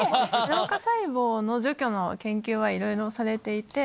老化細胞の除去の研究はいろいろされていて。